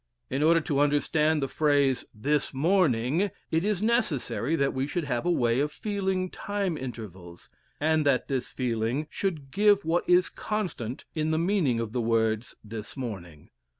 In order to understand the phrase "this morning" it is necessary that we should have a way of feeling time intervals, and that this feeling should give what is constant in the meaning of the words "this morning."